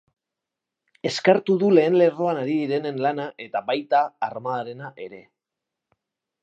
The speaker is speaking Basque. Eskertu du lehen lerroan ari direnen lana eta baita armadarena ere.